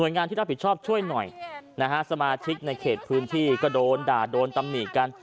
งานที่รับผิดชอบช่วยหน่อยนะฮะสมาชิกในเขตพื้นที่ก็โดนด่าโดนตำหนิกัน